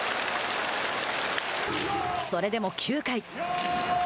それでも９回。